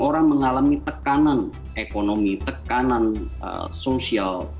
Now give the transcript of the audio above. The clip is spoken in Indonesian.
orang mengalami tekanan ekonomi tekanan sosial